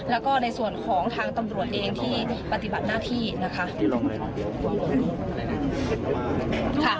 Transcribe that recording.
แล้วก็ในส่วนของทางตำรวจเองที่ปฏิบัติหน้าที่นะคะ